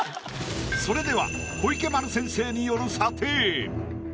それでは小池丸先生による。